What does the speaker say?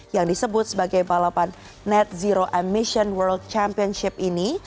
yang disebut sebagai balapan net zero emission world championship ini